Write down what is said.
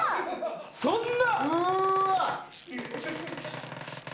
そんな。